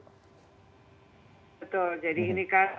betul jadi ini kan